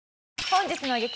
本日の激